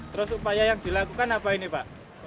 terus upaya yang dilakukan apa ini pak